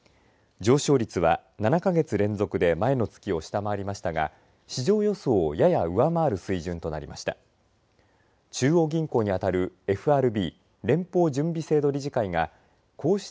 上昇率は７か月連続で前の月を下回りましたが市場予想をやや上回る水準となりました。